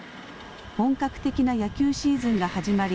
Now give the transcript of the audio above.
本格的な野球シーズンが始まり